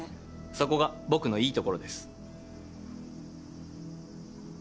そこが僕のいいところです。